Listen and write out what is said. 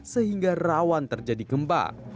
sehingga rawan terjadi gempa